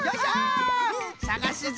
さがすぞ！